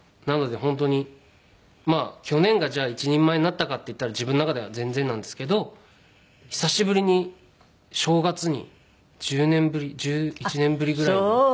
なので本当に去年がじゃあ一人前になったかっていったら自分の中では全然なんですけど久しぶりに正月に１０年ぶり１１年ぶりぐらいに。